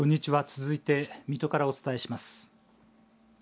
続いて水戸からお伝えします。